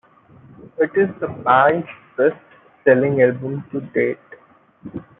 It is the band's best-selling album to date.